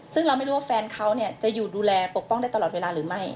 ซึ่งเราไม่รู้ว่าแฟนเขาจะอยู่ดูแลปกป้องได้ตลอดเวลาหรือไม่